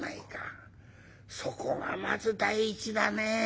そこがまず第一だね。